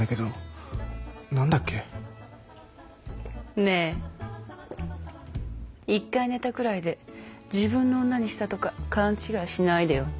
ねえ１回寝たくらいで自分の女にしたとか勘違いしないでよね。